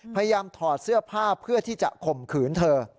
ถอดเสื้อผ้าเพื่อที่จะข่มขืนเธอ